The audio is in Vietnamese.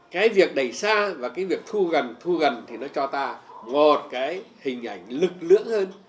cái việc đẩy xa và cái việc thu gần thu gần thì nó cho ta một cái hình ảnh lực lượng hơn